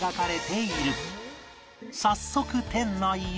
早速店内へ